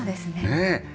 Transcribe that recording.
ねえ！